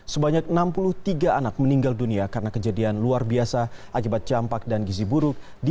sebanyak enam puluh tiga anak meninggal dunia karena kejadian luar biasa akibat campak dan gizi buruk di